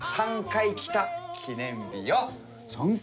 ３回来た記念日？